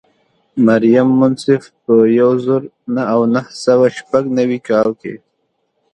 مریم منصف په یو زر او نهه سوه شپږ نوي کال کې.